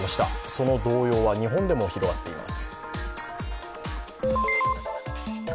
その動揺は日本でも広がっています。